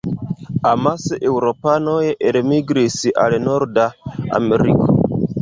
Amase eŭropanoj elmigris al norda Ameriko.